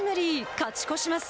勝ち越します。